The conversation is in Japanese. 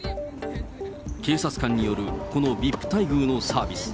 警察官によるこのＶＩＰ待遇のサービス。